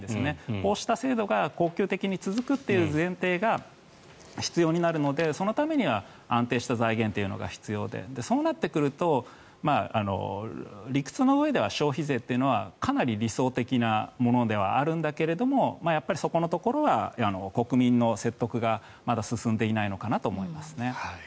こうした制度が恒久的に続くという前提が必要になるのでそのためには安定した財源というのが必要でそうなってくると理屈のうえでは消費税というのはかなり理想的なものではあるんだけどやっぱりそこのところは国民の説得がまだ進んでいないのかなと思いますね。